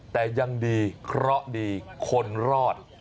แต่ยังดีเคราะห์ดีคนรอด